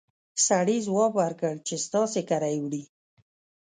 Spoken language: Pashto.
سړي ځواب ورکړ چې ستاسې کره يې وړي!